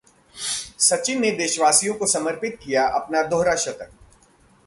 सचिन ने देशवासियों को समर्पित किया अपना दोहरा शतक